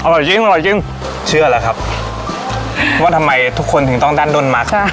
อร่อยจริงอร่อยจริงเชื่อแล้วครับว่าทำไมทุกคนถึงต้องดั้นด้นหมัก